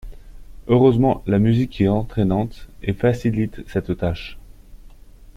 Heureusement la musique est entraînante et facilite cette tâche.